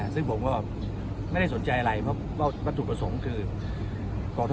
ซึ่งผมว่าไม่ได้สนใจอะไรเพราะว่ามันถูกประสงค์คือกรณบกต้องอยู่